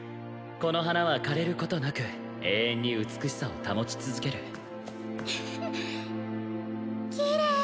この花は枯れることなく永遠に美しさを保ち続ける